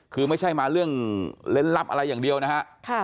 คือไม่ใช่มาเรื่องเล่นลับอะไรอย่างเดียวนะฮะ